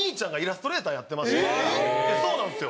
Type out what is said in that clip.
そうなんですよ。